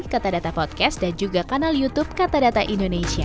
katadata podcast dan juga kanal youtube katadata indonesia